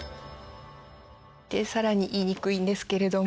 で更に言いにくいんですけれども。